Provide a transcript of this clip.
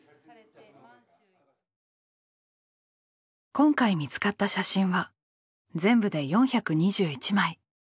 今回見つかった写真は全部で４２１枚。